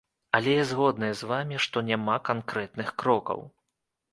Але я згодная з вамі, што няма канкрэтных крокаў.